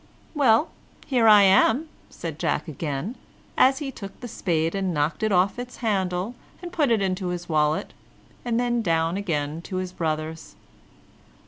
"Well, here I am," said Jack again, as he took the spade and knocked it off its handle, and put it into his wallet, and then down again to his brothers.